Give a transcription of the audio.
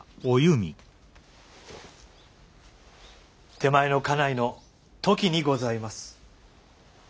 手前の家内のトキにございます。